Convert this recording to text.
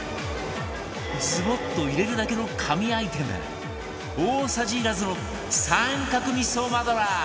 ズボッと入れるだけの神アイテム大さじいらずの三角味噌マドラー